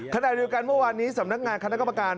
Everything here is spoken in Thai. ขณะเดียวกันเมื่อวานนี้สำนักงานคณะกรรมการ